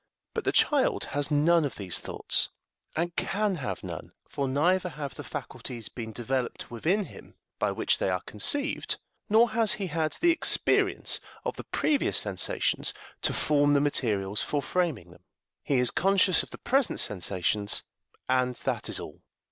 But the child has none of these thoughts and can have none; for neither have the faculties been developed within him by which they are conceived, nor has he had the experience of the previous sensations to form the materials for framing them. He is conscious of the present sensations, and that is all.